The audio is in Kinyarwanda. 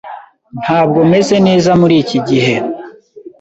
Ntabwo meze neza muri iki gihe.